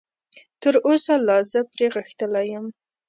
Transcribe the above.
تراوسه لا زه پرې غښتلی یم.